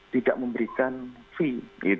tidak memberikan fee